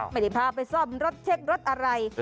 ไม่ได้พาไปซ่อมรถเช็ครถอะไร